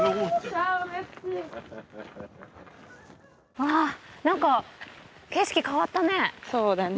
ああ何か景色変わったね。